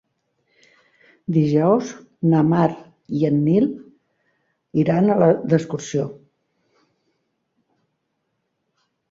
Dijous na Mar i en Nil iran d'excursió.